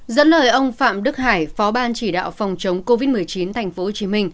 dẫn lời ông phạm đức hải phó ban chỉ đạo phòng chống covid một mươi chín tp hcm